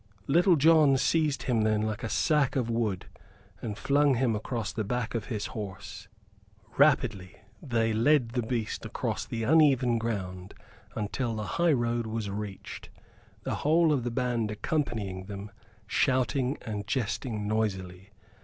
Little John seized him then like a sack of wood, and flung him across the back of his horse. Rapidly they led the beast across the uneven ground until the highroad was reached, the whole of the band accompanying them, shouting and jesting noisily.